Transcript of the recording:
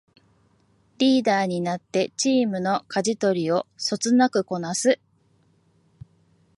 リーダーになってチームのかじ取りをそつなくこなす